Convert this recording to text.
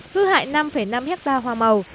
hư hại năm năm hectare hoa màu